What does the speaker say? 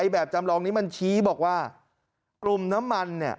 แบบจำลองนี้มันชี้บอกว่ากลุ่มน้ำมันเนี่ย